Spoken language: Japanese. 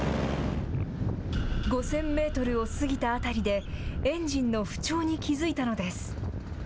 ５０００メートルを過ぎた辺りで、エンジンの不調に気付いたのです。